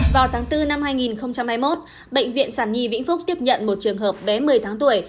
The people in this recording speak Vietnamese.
vào tháng bốn năm hai nghìn hai mươi một bệnh viện sản nhi vĩnh phúc tiếp nhận một trường hợp bé một mươi tháng tuổi